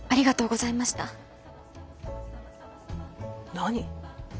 何？